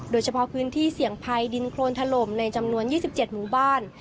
โดยเฉพาะพื้นที่เสี่ยงภัยดินโครนถล่มในจำนวน๒๗หมู่บ้าน